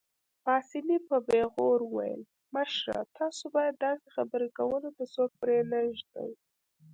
پاسیني په پېغور وویل: مشره، تاسو باید داسې خبرې کولو ته څوک پرېنږدئ.